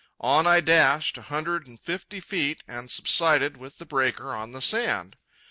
On I dashed, a hundred and fifty feet, and subsided with the breaker on the sand.